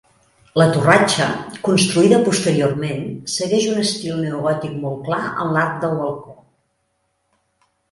La torratxa, construïda posteriorment, segueix un estil neogòtic molt clar en l'arc del balcó.